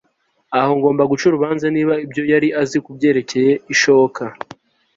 Aho ngomba guca urubanza niba ibyo yari azi kubyerekeye ishoka